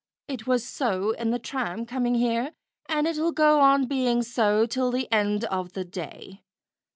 It was so in the tram coming here, and it'll go on being so till the end of the day.